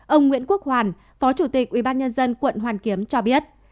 ông nguyễn quốc hoàn phó chủ tịch ubnd quận hoàn kiếm cho biết